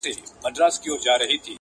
چی یې ځانونه مرګي ته سپر کړل -